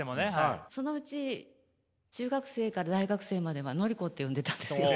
そのうち中学生から大学生までは「ノリコ」って呼んでたんですよ。